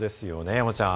山ちゃん。